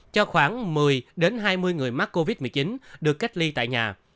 cho khoảng một mươi hai mươi người mắc covid một mươi chín được cách ly tại nhà